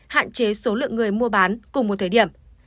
hạn chế số lượng người mua bán cùng một thời điểm